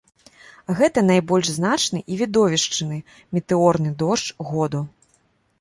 Гэта найбольш значны і відовішчны метэорны дождж году.